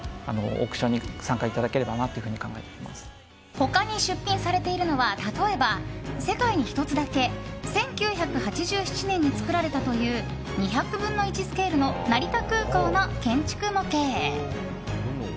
他に出品されているのは例えば世界に一つだけ１９８７年に作られたという２００分の１スケールの成田空港の建築模型。